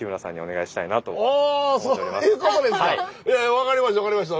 わかりましたわかりました。